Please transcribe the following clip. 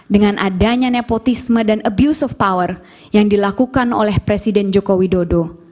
dengan adanya nepotisme dan abuse of power yang dilakukan oleh presiden joko widodo